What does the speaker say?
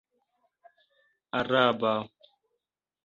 araba